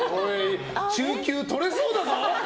中級とれそうだぞ！